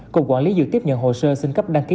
cục quản lý dự tiếp nhận hồ sơ xin cấp đăng ký